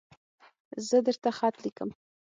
زه درته خط لیکم